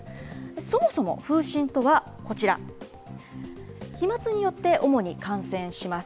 そもそも風疹とはこちら、飛まつによって主に感染します。